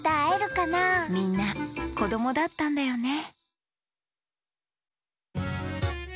みんなこどもだったんだよね